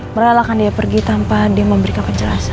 merelakan dia pergi tanpa dia memberikan penjelasan